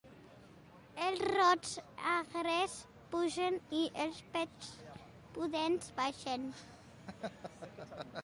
Els rots agres pugen i els pets pudents baixen.